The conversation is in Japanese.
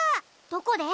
どこで？